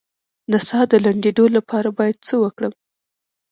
د ساه د لنډیدو لپاره باید څه وکړم؟